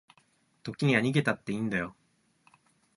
時には逃げたっていいんだよ